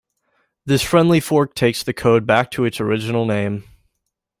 This friendly-fork takes the code back to its original name.